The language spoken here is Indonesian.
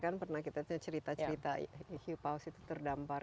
kan pernah kita cerita cerita hiu paus itu terdampar